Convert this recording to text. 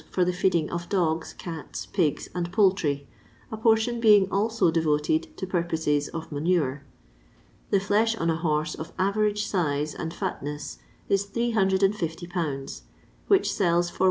for the feeding of dogs, cats, pigs, and poultry, a portion being also devoted to purposes of manure. The flesh on a horse of average size and fatness is 850 lbs., which sells for 1^.